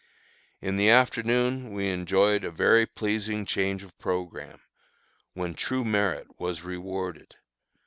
In the afternoon we enjoyed a very pleasing change of programme, when true merit was rewarded.